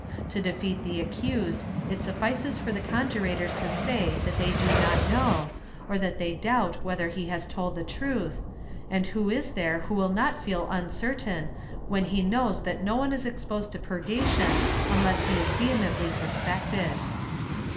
To defeat the accused it suffices for the conjurators to say that they do not know, or that they doubt whether he has told the truth, and who is there who will not feel uncertain when he knows that no one is exposed to purgation imless he is vehemently suspected.